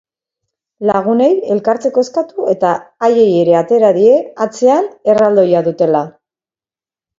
Lagunei elkartzeko eskatu eta haiei ere atera die, atzean erraldoia dutela.